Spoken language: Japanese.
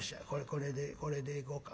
これでこれでいこうか。